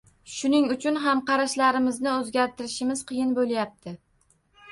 Shuning uchun ham qarashlarimizni o‘zgartirishimiz qiyin bo‘lyapti.